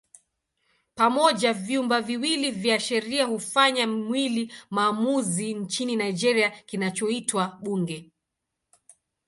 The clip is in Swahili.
Pamoja vyumba viwili vya sheria hufanya mwili maamuzi nchini Nigeria kinachoitwa Bunge.